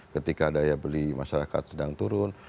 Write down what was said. ketika daya beli masyarakat sedang turun